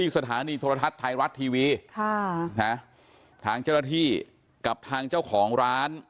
สถานีโทรทัศน์ไทยรัฐทีวีค่ะนะทางเจ้าหน้าที่กับทางเจ้าของร้าน